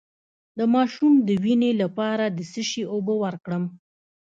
د ماشوم د وینې لپاره د څه شي اوبه ورکړم؟